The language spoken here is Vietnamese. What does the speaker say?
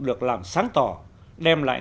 được làm sáng tỏ đem lại